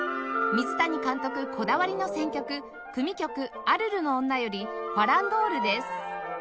水谷監督こだわりの選曲組曲『アルルの女』より「ファランドール」です